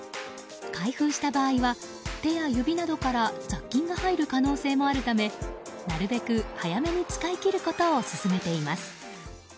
開封した場合は、手や指などから雑菌が入る可能性もあるためなるべく早めに使い切ることを勧めています。